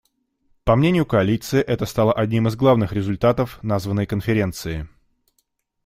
По мнению Коалиции, это стало одним из главных результатов названной Конференции.